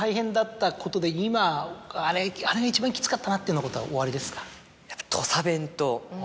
今「あれが一番きつかったな」っていうようなことはおありですか？